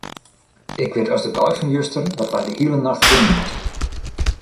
Ik wit as de dei fan juster dat wy de hiele nacht rinne moasten.